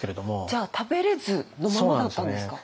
じゃあ食べれずのままだったんですか。